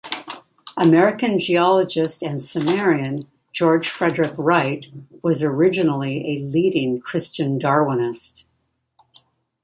American geologist and seminarian George Frederick Wright was originally a leading Christian Darwinist.